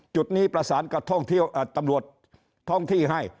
จุดนี้ประสานกับท่องที่ให้